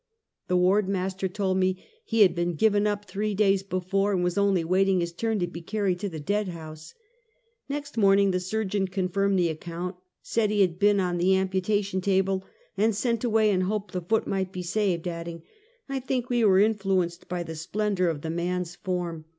The ward master told me he had been given up three days before, and was only waiting his turn to be carried to the dead house, l^ext morn ing the surgeon confirmed the account, said he had been on the amputation table and sent away in hope the foot might be saved, adding: " I think we were influenced by the splendor of the man's form.